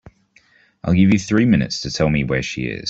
I'll give you three minutes to tell me where she is.